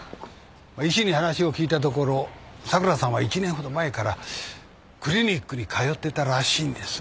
医師に話を聞いたところ桜さんは１年ほど前からクリニックに通ってたらしいんです。